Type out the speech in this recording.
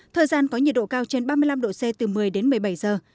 thời gian có nhiệt độ cao trên ba mươi năm độ c từ một mươi đến một mươi bảy giờ